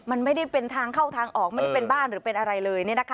มันไม่ได้เป็นทางเข้าทางออกไม่ได้เป็นบ้านหรือเป็นอะไรเลย